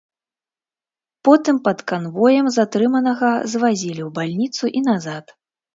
Потым пад канвоем затрыманага звазілі ў бальніцу і назад.